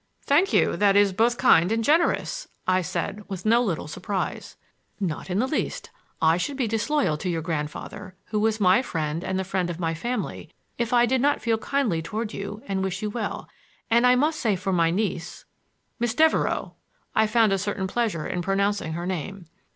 "Thank you; that is both kind and generous," I said with no little surprise. "Not in the least. I should be disloyal to your grandfather, who was my friend and the friend of my family, if I did not feel kindly toward you and wish you well. And I must say for my niece—" "Miss Devereux." I found a certain pleasure in pronouncing her name.